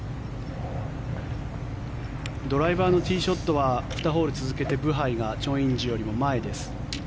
ドライバーのティーショットは２ホール続けてブハイがチョン・インジよりも前です。